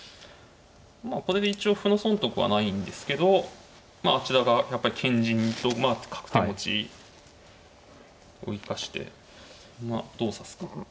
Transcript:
まあこれで一応歩の損得はないんですけどまああちらがやっぱり堅陣とまあ角手持ちを生かしてまあどう指すか。